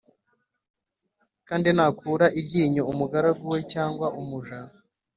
Kandi nakura iryinyo umugaragu we cyangwa umuja